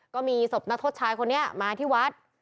ก็มีศพนักโทษชายคนนี้มาที่วัด